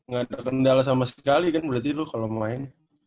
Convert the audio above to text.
gak ada kendala sama sekali kan berarti lu kalau main